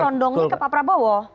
condongnya ke pak prabowo